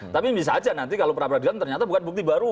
tapi bisa aja nanti kalau peradilan ternyata bukan bukti baru